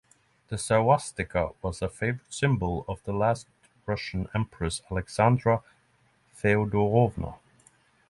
The sauwastika was a favorite symbol of the last Russian Empress Alexandra Feodorovna.